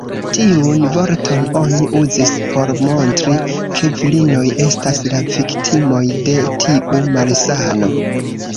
Tiun vorton oni uzis por montri ke virinoj estas la viktimoj de tiu malsano.